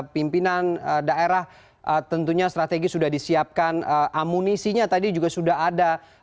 pimpinan daerah tentunya strategi sudah disiapkan amunisinya tadi juga sudah ada